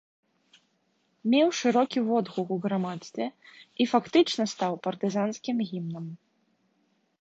Меў шырокі водгук у грамадстве і фактычна стаў партызанскім гімнам.